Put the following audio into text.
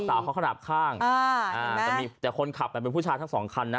สาวเขาขนาดข้างแต่คนขับเป็นผู้ชายทั้งสองคันนะ